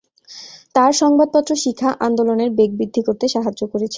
তার সংবাদপত্র শিখা আন্দোলনের বেগ বৃদ্ধি করতে সাহায্য করেছিল।